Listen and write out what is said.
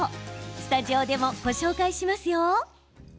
スタジオでもご紹介しますよ。